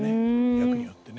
役によってね。